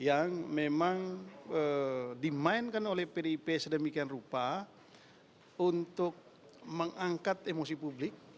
yang memang dimainkan oleh pdip sedemikian rupa untuk mengangkat emosi publik